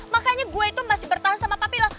makanya gue itu masih bertahan sama papi lo